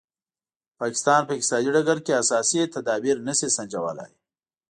پاکستان په اقتصادي ډګر کې اساسي تدابیر نه شي سنجولای.